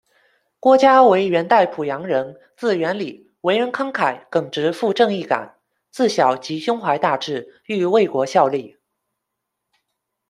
郭嘉为元代濮阳人，字元礼，为人慷慨、耿直富正义感，自小即胸怀大志，欲为国效力。